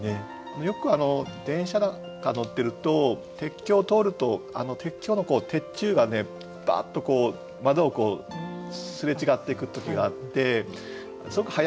よく電車なんか乗ってると鉄橋を通ると鉄橋の鉄柱がバーッと窓をすれ違っていく時があってすごく迅いんですよね。